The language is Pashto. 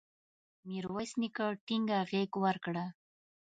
میرویس نیکه ټینګه غېږ ورکړه.